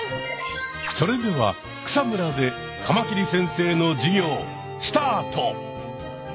それでは草むらでカマキリ先生の授業スタート！